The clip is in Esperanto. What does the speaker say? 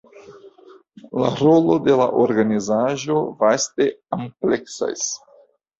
La rolo de la organizaĵo vaste ampleksas.